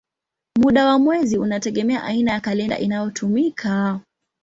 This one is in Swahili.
Muda wa mwezi unategemea aina ya kalenda inayotumika.